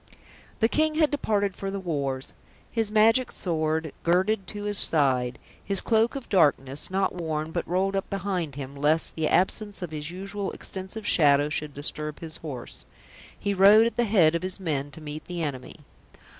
The King had departed for the wars. His magic sword girded to his side, his cloak of darkness, not worn but rolled up behind him, lest the absence of his usual extensive shadow should disturb his horse, he rode at the head of his men to meet the enemy.